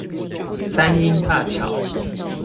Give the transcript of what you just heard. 三鶯大橋